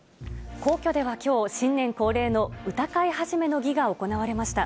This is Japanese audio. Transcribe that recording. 皇居ではきょう、新年恒例の歌会始の儀が行われました。